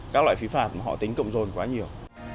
các loại phí phạt họ tính cộng dồn quá nhiều